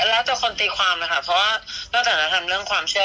แล้วตัวคนตีความนะค่ะเพราะว่านอกจากนั้นทำเรื่องความเชื่อ